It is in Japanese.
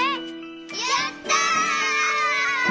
やった！